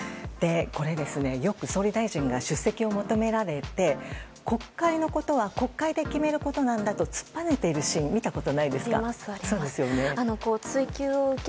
これよく総理大臣が出席を求められて国会のことは国会で決めることなんだと突っぱねているシーン見たことないですか？